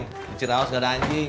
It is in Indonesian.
ceng licin naus gak ada anjing